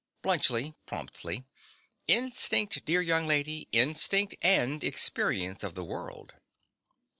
BLUNTSCHLI. (promptly). Instinct, dear young lady. Instinct, and experience of the world.